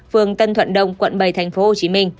phường tân thuận đông quận bảy tp hcm